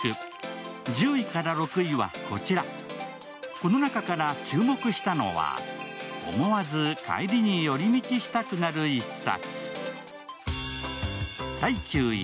この中から注目したのは思わず帰りに寄り道したくなる一冊。